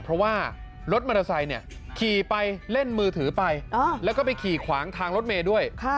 เพราะว่ารถมอเตอร์ไซค์ขี่ไปเล่นมือถือไปแล้วก็ไปขี่ขวางทางรถเมย์ด้วย